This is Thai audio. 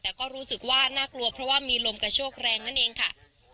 แต่ก็รู้สึกว่าน่ากลัวเพราะว่ามีลมกระโชกแรงนั่นเองค่ะ